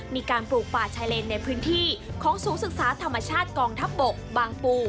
ปลูกป่าชายเลนในพื้นที่ของศูนย์ศึกษาธรรมชาติกองทัพบกบางปู